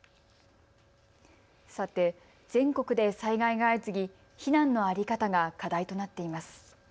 さて、全国で災害が相次ぎ避難の在り方が課題となっています。